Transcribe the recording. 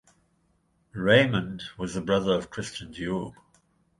Raymond was the brother of Christian Dior.